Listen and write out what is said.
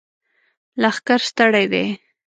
لښکر ستړی دی!